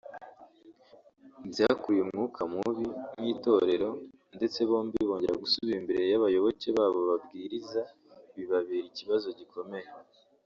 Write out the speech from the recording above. byakuruye umwuka mubi mu itorero ndetse bombi kongera gusubira imbere y’abayoboke babo babwiriza bibabera ikibazo gikomeye